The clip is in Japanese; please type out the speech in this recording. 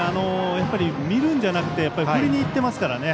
見るんじゃなくて振りにいっていますからね。